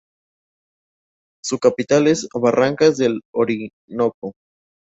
Su capital es Barrancas del Orinoco.